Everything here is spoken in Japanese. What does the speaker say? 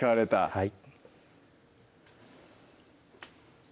はい